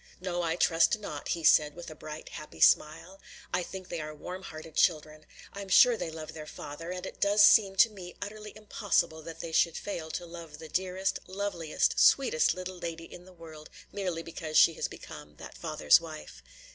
"No, I trust not," he said, with a bright, happy smile. "I think they are warm hearted children; I'm sure they love their father; and it does seem to me utterly impossible that they should fail to love the dearest, loveliest, sweetest little lady in the world merely because she has become that father's wife."